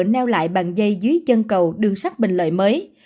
neo lại bằng dây dưới chân cầu đường sắt bình lợi mới